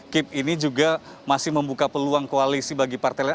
kip ini juga masih membuka peluang koalisi bagi partai lain